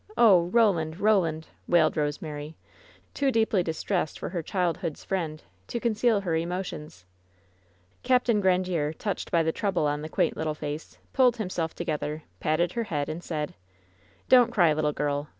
Oh, Roland! Roland!" wailed Rosemary, too deeply dis tressed for her childhood's friend to conceal her emo tions. Capt. Grandiere, touched by the trouble on the quaint little face, pulled himself together, patted her head, and fnid: "Don't cry, litle girl!